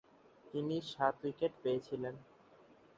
তিনি সাত উইকেট পেয়েছিলেন।